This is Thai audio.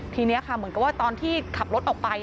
ทีนี้ค่ะเหมือนกับว่าตอนที่ขับรถออกไป